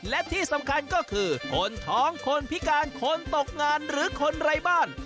และที่สำคัญก็คือคนท้องคนพิการคนตกงานหรือคนไร้บ้าน